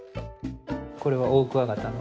これはオオクワガタの。